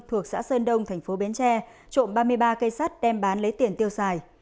thuộc xã sơn đông tp bến tre trộm ba mươi ba cây sắt đem bán lấy tiền tiêu xài